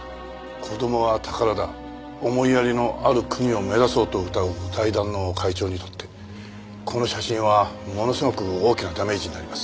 「子供は宝だ思いやりのある国を目指そう」とうたう財団の会長にとってこの写真はものすごく大きなダメージになります。